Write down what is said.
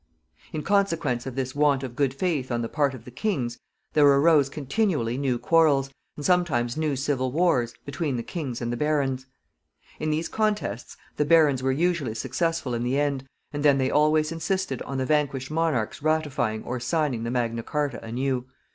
In consequence of this want of good faith on the part of the kings, there arose continually new quarrels, and sometimes new civil wars, between the kings and the barons. In these contests the barons were usually successful in the end, and then they always insisted on the vanquished monarch's ratifying or signing the Magna Charta anew.